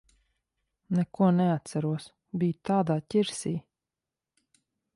Neko neatceros. Biju tādā ķirsī.